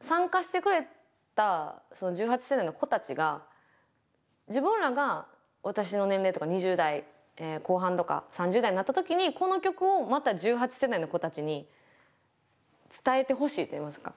参加してくれた１８世代の子たちが自分らが私の年齢とか２０代後半とか３０代になった時にこの曲をまた１８世代の子たちに伝えてほしいといいますか。